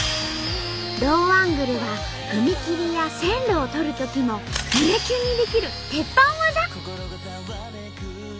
ローアングルは踏切や線路を撮るときも胸キュンにできる鉄板技！